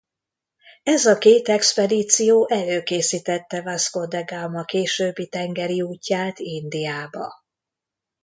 Ez a két expedíció előkészítette Vasco da Gama későbbi tengeri útját Indiába.